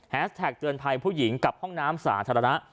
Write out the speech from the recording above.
แท็กเตือนภัยผู้หญิงกับห้องน้ำสาธารณะ